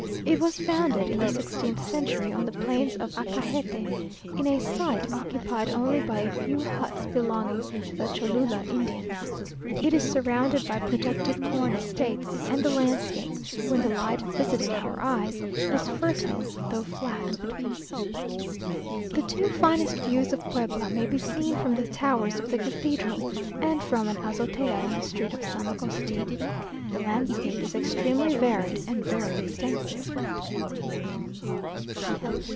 It was founded in the sixteenth century, on the plains of Acajete, in a site occupied only by a few huts belonging to the Cholula Indians. It is surrounded by productive corn estates, and the landscape, when the light visited our eyes, was fertile though flat. The two finest views of Puebla may be seen from the towers of the cathedral, and from an azotea in the street of San Agustin. The landscape is extremely varied and very extensive.